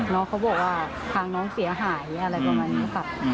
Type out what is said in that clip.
น้องเขาบอกว่าทางน้องเสียหายอะไรประมาณนี้ค่ะ